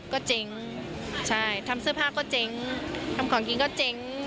ก็เจ๊งใช่ทำเสื้อผ้าก็เจ๊งทำของกินก็เจ๊ง